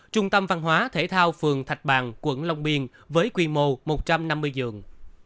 trung tâm văn hóa thể thao phường thạch bàn quận long biên với quy mô một trăm năm mươi giường